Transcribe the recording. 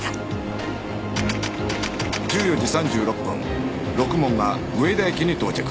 １４時３６分ろくもんが上田駅に到着